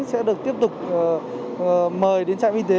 sẽ được tiếp tục mời đến trạm y tế